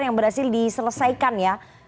yang berhasil diselesaikan ya